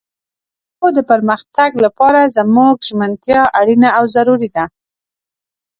د پښتو د پرمختګ لپاره زموږ ژمنتيا اړينه او ضروري ده